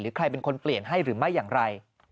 ใครเป็นคนเปลี่ยนให้หรือไม่อย่างไร